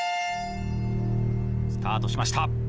スタートしました！